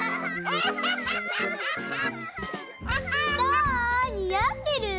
どう？にあってる？